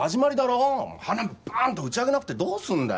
花火バーンと打ち上げなくてどうすんだよ！